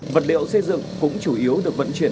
vật liệu xây dựng cũng chủ yếu được vận chuyển